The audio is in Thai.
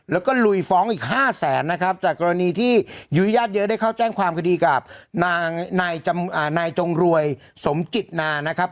แล้วก็ลุยฟ้องอีก๕แสนนะครับจากกรณีที่ยุ้ยญาติเยอะได้เข้าแจ้งความคดีกับนายจงรวยสมจิตนานะครับ